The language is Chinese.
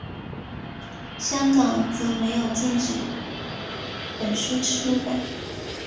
香港则并没有禁止本书出版。